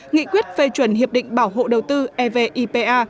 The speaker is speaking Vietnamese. nghị quyết phê chuẩn hiệp định bảo hộ đầu tư evipa